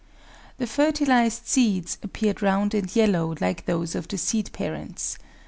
The fertilised seeds appeared round and yellow like those of the seed parents.